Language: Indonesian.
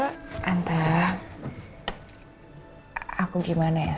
sekarang aku lebih kayak let it flow aja sih tante